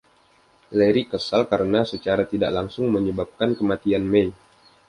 Larry kesal karena secara tidak langsung menyebabkan kematian May.